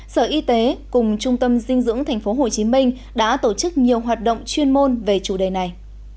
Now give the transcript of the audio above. sở y tế cùng trung tâm dinh dưỡng tp hcm đã tổ chức nhiều hoạt động chuyên môn về chủ đề này